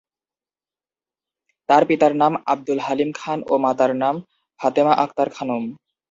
তার পিতার নাম আব্দুল হালিম খান ও মাতার নাম ফাতেমা আক্তার খানম।